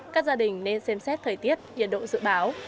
các gia đình nên xem xét thời tiết nhiệt độ dự báo